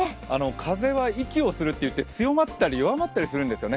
風は息をするって言って、強まったり弱まったりするんですね。